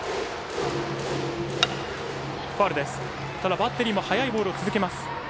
バッテリーも速いボールを続けます。